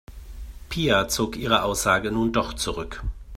Pia zog ihre Aussage nun doch zurück.